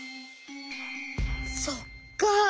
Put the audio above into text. そっか。